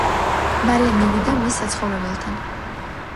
მალე მივიდა მის საცხოვრებელთან